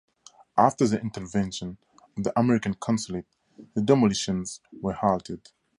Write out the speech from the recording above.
After the intervention of the American Consulate, the demolitions were halted.